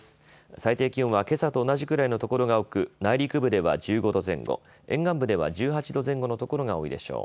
最低気温はけさと同じくらいの所が多く、内陸部では１５度前後、沿岸部では１８度前後の所が多いでしょう。